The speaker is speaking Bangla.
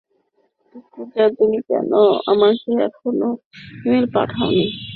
পূজা, তুমি কেন, আমাকে কখনো ইমেল পাঠাওনি?